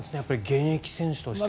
現役選手としては。